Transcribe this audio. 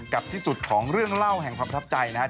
กับที่สุดของเรื่องเล่าแห่งความประทับใจนะครับ